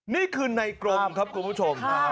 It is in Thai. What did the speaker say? นี่คือในกรมครับคุณผู้ชม